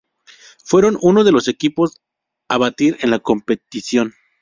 Fueron uno de los equipos a batir en la competición.